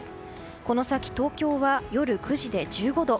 この先、東京は夜９時で１５度。